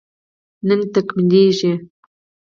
نن تکميلېږي